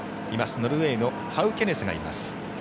ノルウェーのハウケネスがいます。